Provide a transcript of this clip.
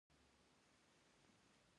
بال د بېټ سره ټکر کوي.